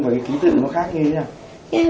và cái ký tự nó khác như thế nào